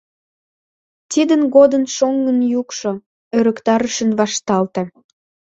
Тидын годым шоҥгын йӱкшӧ ӧрыктарышын вашталте.